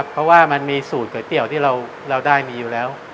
เพราะว่ามันมีสูตรก๋วยเตี๋ยวที่เราได้มีอยู่แล้ว